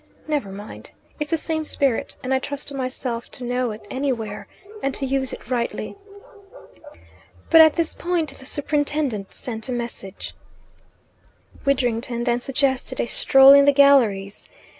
Never mind. It's the same spirit, and I trust myself to know it anywhere, and to use it rightly." But at this point the superintendent sent a message. Widdrington then suggested a stroll in the galleries.